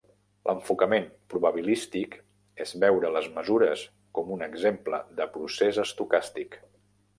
L'enfocament probabilístic és veure les mesures com un exemple de procés estocàstic.